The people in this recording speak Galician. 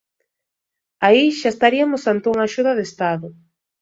Aí xa estariamos ante unha axuda de Estado.